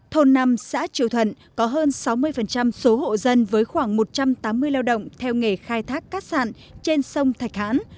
thôn năm xã triều thuận có hơn sáu mươi số hộ dân với khoảng một trăm tám mươi lao động theo nghề khai thác cát sản trên sông thạch hãn